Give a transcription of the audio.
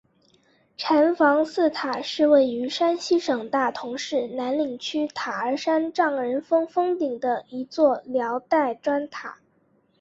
禅房寺塔是位于山西省大同市南郊区塔儿山丈人峰峰顶的一座辽代砖塔。